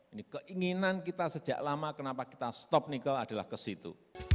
ini keinginan kita sejak lama kenapa kita stop nikel adalah ke situ